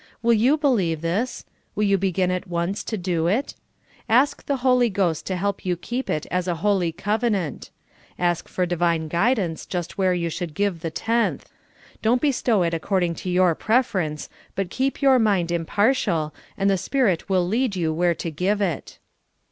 Will you believe this ? Will you begin at once to do it ? Ask the Holy Ghost to help you keep it as a hol}^ covenant. Ask for divine guidance just where you should give the tenth ; don't bestow it according 162 SOUL FOOD. to your preference, l^ut keep 3'our mind impartial, and the Spirit will lead 3^ou where to give it.